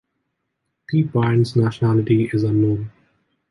P. Byrne’s nationality is unknown.